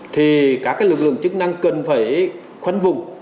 thì các lực lượng chức năng cần phải khoanh vùng